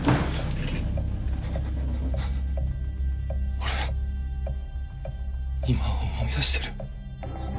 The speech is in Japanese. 俺今思い出してる？